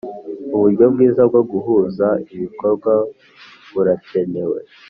uburyo bwiza bwo guhuza ibikorwa burakenewe